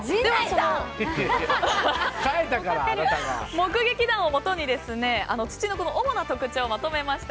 目撃談をもとにつちのこの主な特徴をまとめました。